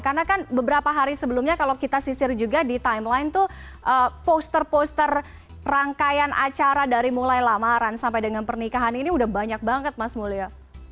karena kan beberapa hari sebelumnya kalau kita sisir juga di timeline tuh poster poster rangkaian acara dari mulai lamaran sampai dengan pernikahan ini udah banyak banget mas mulyo